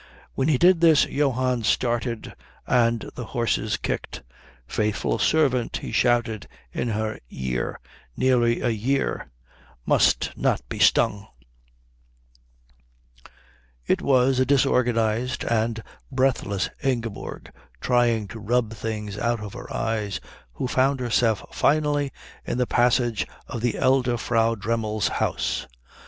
When he did this Johann started and the horses kicked. "Faithful servant" he shouted in her ear "nearly a year must not be stung " It was a disorganized and breathless Ingeborg trying to rub things out of her eyes who found herself finally in the passage of the elder Frau Dremmel's house.